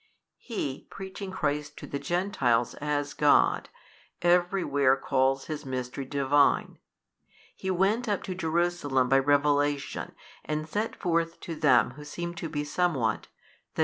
He preaching Christ to the Gentiles |211 as God, every where calls His Mystery Divine 24. He went up to Jerusalem by revelation and set forth to them who seemed to be somewhat, i.